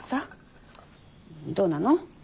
どうなの？